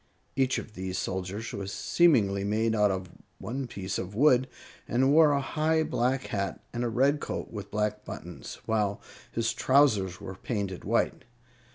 Each of these soldiers was seemingly made out of one piece of wood, and wore a high black hat and a red coat with black buttons, while his trousers were painted white.